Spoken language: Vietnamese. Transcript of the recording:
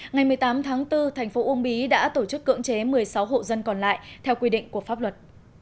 ngày một mươi tám tháng bốn thành phố uông bí đã tổ chức cưỡng chế một mươi sáu hộ dân còn lại theo quy định của pháp luật